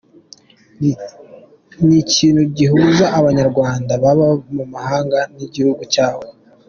Ni ikintu gihuza Abanyarwanda baba mu mahanga n’igihugu cyabo.